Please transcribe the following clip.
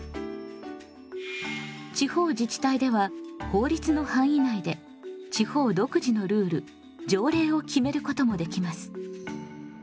地方自治体では法律の範囲内で地方独自のルール条例を決めることもできます。